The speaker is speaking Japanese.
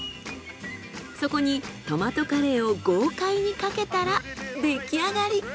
そこにトマトカレーを豪快にかけたら出来上がり！